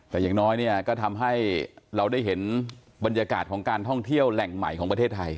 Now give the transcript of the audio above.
แต่อย่างน้อยเนี่ยก็ทำให้เราได้เห็นบรรยากาศของการท่องเที่ยวแหล่งใหม่ของประเทศไทย